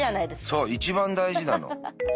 そう一番大事なの。